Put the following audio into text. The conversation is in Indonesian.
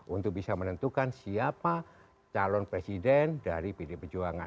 untuk bisa menentukan siapa calon presiden dari pd pejuangan